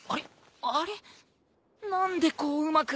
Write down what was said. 何でこううまく。